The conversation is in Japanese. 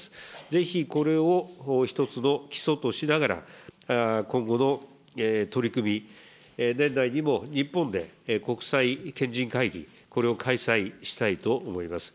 ぜひ、これを一つの基礎としながら、今後の取り組み、年内にも、日本で国際賢人会議、これを開催したいと思います。